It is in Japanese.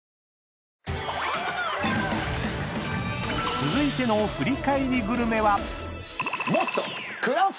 ［続いての振り返りグルメは］